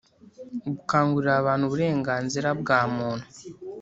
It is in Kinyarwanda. Gukangurira abantu Uburenganzira bwa Muntu